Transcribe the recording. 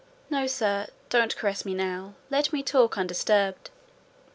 No, sir, don't caress me now—let me talk undisturbed.